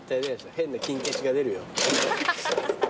変なキン消しが出るよ。